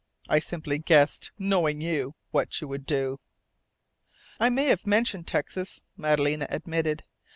I simply guessed knowing you what you would do." "I may have mentioned Texas," Madalena admitted.